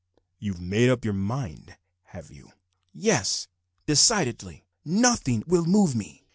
you have made up your mind, have you?" "Yes, decidedly. Nothing will move me.